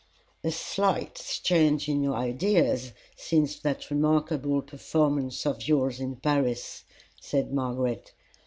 "A slight change in your ideas since that remarkable performance of yours in Paris," said Margaret.